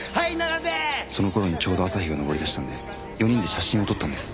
その頃にちょうど朝日が昇りだしたんで４人で写真を撮ったんです。